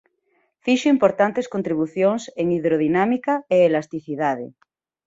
Fixo importantes contribucións en hidrodinámica e elasticidade.